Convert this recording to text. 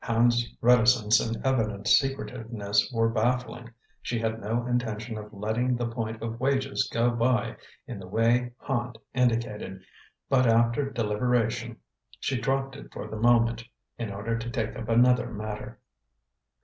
Hand's reticence and evident secretiveness were baffling. She had no intention of letting the point of wages go by in the way Hand indicated, but after deliberation she dropped it for the moment, in order to take up another matter.